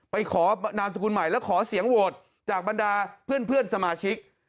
ไปขอนามสกุลใหม่แล้วขอเสียงโหวตจากบรรดาเพื่อนสมาชิก